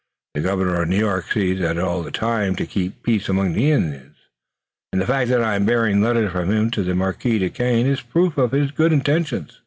The Governor of New York seeks at all times to keep peace among the Indians, and the fact that I am bearing letters from him to the Marquis Duquesne is proof of his good intentions."